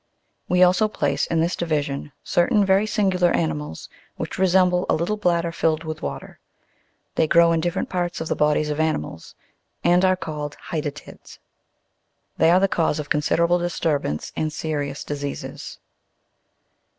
We also place in this division certain very singular animals, which resemble a little bladder filled with water ; they grow in different parts of the bodies of animals, and are called Hydatids. They are the cause of considerable disturbance and serious dis eases.